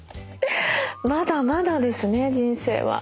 まだまだですね人生は。